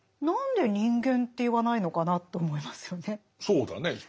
何で「人間」って言わないのかなと思いますよね。